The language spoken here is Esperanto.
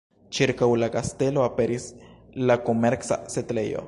Ĉirkaŭ la kastelo aperis la komerca setlejo.